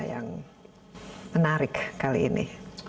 apa yang kita bisa harapkan apa yang menarik kali ini